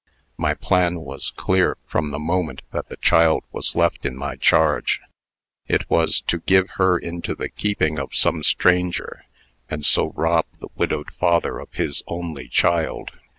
My plan was clear from the moment that the child was left in my charge. It was, to give her into the keeping of some stranger, and so rob the widowed father of his only child.